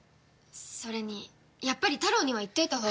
それにやっぱりタロウには言っておいたほうが。